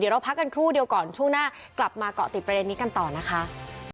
เราพักกันครู่เดียวก่อนช่วงหน้ากลับมาเกาะติดประเด็นนี้กันต่อนะคะ